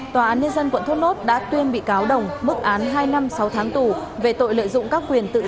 tòa án nhân dân quận thốt nốt đã tuyên bị cáo đồng mức án hai năm sáu tháng tù về tội lợi dụng các quyền tự do